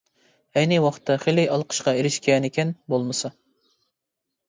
ئەينى ۋاقىتتا خېلى ئالقىشقا ئېرىشكەنىكەن بولمىسا.